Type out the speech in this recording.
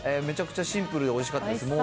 めちゃくちゃシンプルでおいしかったです。